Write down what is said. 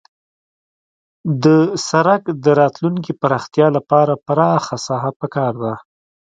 د سرک د راتلونکي پراختیا لپاره پراخه ساحه پکار ده